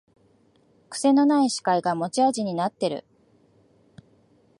くせのない司会が持ち味になってる